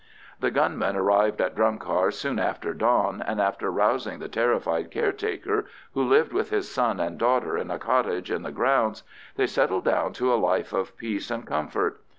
The gunmen arrived at Drumcar soon after dawn, and after rousing the terrified caretaker, who lived with his son and daughter in a cottage in the grounds, they settled down to a life of peace and comfort.